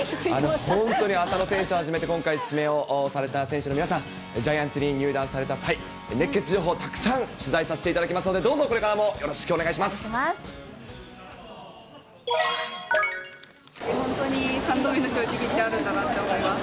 本当に浅野選手はじめ、今回指名をされた選手の皆さん、ジャイアンツに入団された際、熱ケツ情報、たくさん取材させていただきますので、どうぞこれかお願いします。